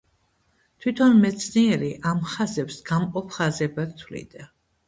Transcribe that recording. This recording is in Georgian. თვითონ მეცნიერი ამ ხაზებს გამყოფ ხაზებად თვლიდა.